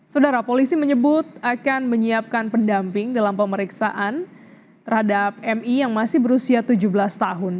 saudara polisi menyebut akan menyiapkan pendamping dalam pemeriksaan terhadap mi yang masih berusia tujuh belas tahun